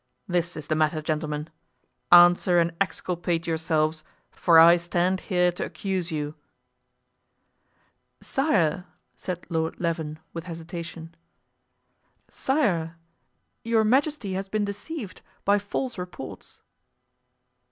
This is the matter, gentlemen; answer and exculpate yourselves, for I stand here to accuse you." "Sire," said Lord Leven, with hesitation, "sire, your majesty has been deceived by false reports."